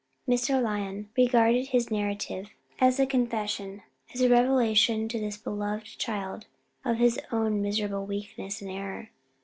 Mr. Lyon regarded his narrative as a confession as a revelation to this beloved child of his own miserable weakness and error.